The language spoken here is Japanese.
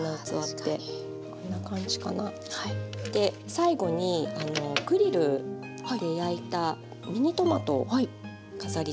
最後にグリルで焼いたミニトマトを飾りつけします。